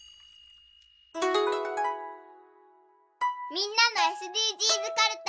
みんなのＳＤＧｓかるた。